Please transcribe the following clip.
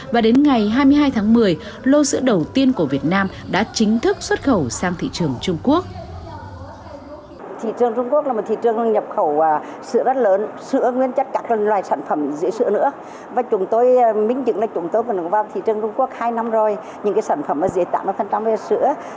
và đến ngày hai mươi hai tháng một mươi tổng cục hải quan trung quốc đã được cấp mã giao dịch cho phép xuất khẩu sản phẩm sữa